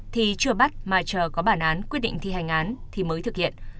thì chưa bắt mà chờ có bản án quyết định thi hành án thì mới thực hiện